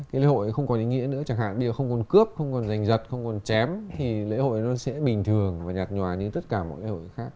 cái lễ hội ấy không còn ý nghĩa nữa chẳng hạn điều không còn cướp không còn giành giật không còn chém thì lễ hội nó sẽ bình thường và nhạt nhòa như tất cả mọi lễ hội khác